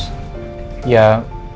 aku tuh mikirin kamu terus